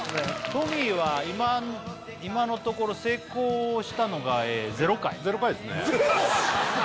トミーは今のところ成功したのがゼロ回ゼロ回ですねゼロ！？